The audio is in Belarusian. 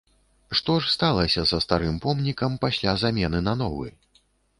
Што ж сталася са старым помнікам пасля замены на новы?